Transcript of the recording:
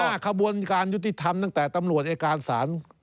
หัวหน้าขบวนการยุติธรรมตั้งแต่ตำรวจไอ้การศาล